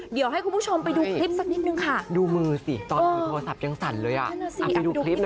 เดี๋ยวให้คุณผู้ชมไปดูคลิปสักนิดนึงค่ะดูมือสิตอนดูโทรศัพท์ยังสั่นเลยอ่ะไปดูคลิปนะ